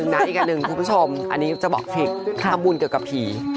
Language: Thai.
อีกอะนึงนะอีกอะนึงคุณผู้ชมอันนี้จะบอกผิกถ้าบุญเกิดกับผี